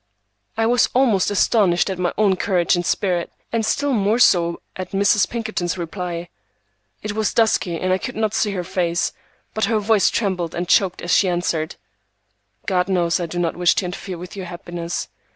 I was almost astonished at my own courage and spirit, and still more so at Mrs. Pinkerton's reply. It was dusky and I could not see her face, but her voice trembled and choked as she answered,— "God knows I do not wish to interfere with your happiness.